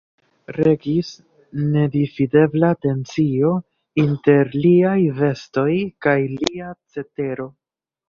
Regis nedifinebla tensio inter liaj vestoj kaj lia cetero.